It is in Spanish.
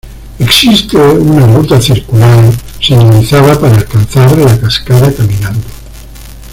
Existe una ruta circular señalizada para alcanzar la cascada caminando.